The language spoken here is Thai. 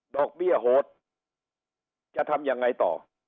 ดอกเบี้ยโหดจะทำอย่างไงต่อ